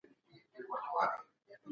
ایلټک په خپل کتاب کې مهم ټکي لیکلي دي.